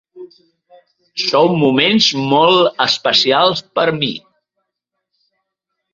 Són moments molt especials per a mi.